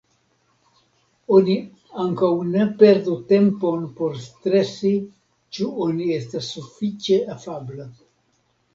Oni ankaŭ ne perdu tempon por stresi ĉu oni estis sufiĉe afabla.